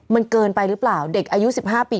มันเกินไปหรือเปล่าเด็กอายุ๑๕ปี